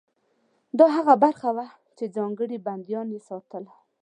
دا هغه برخه وه چې ځانګړي بندیان یې ساتل.